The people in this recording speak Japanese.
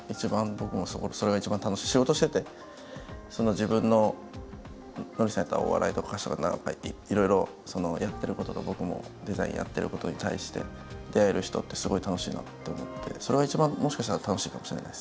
仕事してて自分のノリさんやったらお笑いとかいろいろやってることと僕もデザインやってることに対して出会える人ってすごい楽しいなって思ってそれが一番もしかしたら楽しいかもしれないですね。